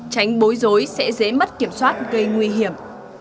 tránh bối rối sẽ dễ mất kiểm soát gây nguy hiểm